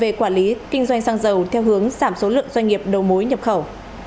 về quản lý kinh doanh xăng dầu theo hướng giảm số lượng doanh nghiệp đầu mối nhập khẩu